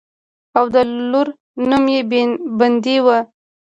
او د لور نوم يې بندۍ وۀ